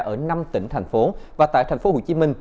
ở năm tỉnh thành phố và tại thành phố hồ chí minh